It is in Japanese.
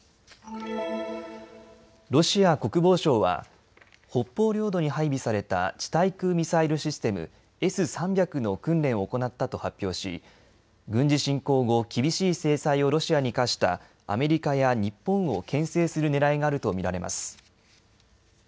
ロシア国防省は北方領土に配備された地対空ミサイルシステムＳ３００の訓練を行ったと発表し軍事侵攻後、厳しい制裁をロシアに科したアメリカや日本をけん制するねらいがあると見られます。